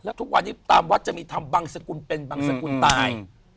แล้วทุกวันนี้ตามวัดจะมีทำบังสกุลเป็นบังสกุลตาย